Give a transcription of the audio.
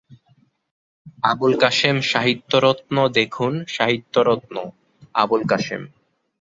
আবুল কাসেম সাহিত্যরত্ন দেখুন সাহিত্যরত্ন, আবুল কাসেম।